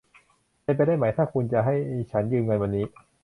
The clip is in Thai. เป็นไปได้ไหม ถ้าคุณจะให้ฉันยืมเงินวันนี้